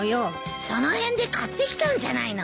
その辺で買ってきたんじゃないの？